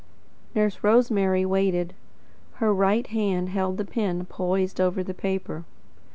Nurse Rosemary waited. Her right hand held the pen poised over the paper.